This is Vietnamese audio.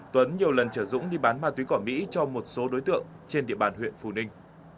tuấn nhiều lần chở dũng đi bán ma túy cỏ mỹ cho một số đối tượng trên địa bàn huyện phù ninh